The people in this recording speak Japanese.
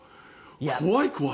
怖い、怖い。